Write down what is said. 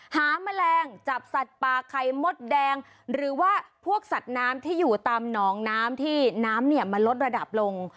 แมลงจับสัตว์ป่าไข่มดแดงหรือว่าพวกสัตว์น้ำที่อยู่ตามหนองน้ำที่น้ำเนี่ยมันลดระดับลง